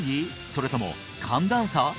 それとも寒暖差？